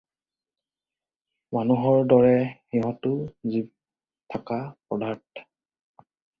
মানুহৰ দৰে সিহঁতো জীৱ থকা পদাৰ্থ।